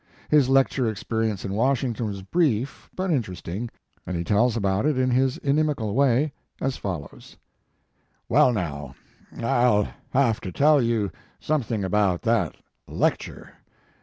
His lecture experience in Washington was brief but interesting, and he tells all about it in his inimical way, as follows: "Well, now, I ll have to tell you some thing about that lecture.